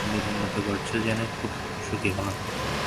তুমি দিন দিন উন্নতি করছ জেনে খুব সুখী হলাম।